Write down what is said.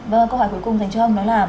vâng câu hỏi cuối cùng dành cho ông đó là